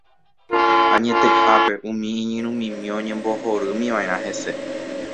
Añetehápe, umi iñirũmimi oñembohorýmiva'erã hese.